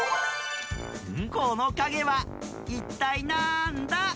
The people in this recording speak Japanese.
このかげはいったいなんだ？